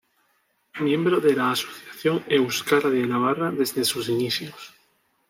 Miembro de la Asociación Euskara de Navarra desde sus inicios.